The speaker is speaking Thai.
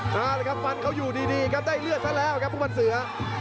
มาเลยครับฟันเขาอยู่ดีครับได้เลือดซะแล้วครับทุกวันเสือ